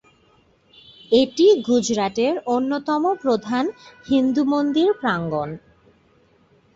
এটি গুজরাটের অন্যতম প্রধান হিন্দু মন্দির প্রাঙ্গণ।